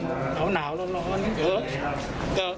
มีคำถามต้องเจอครับ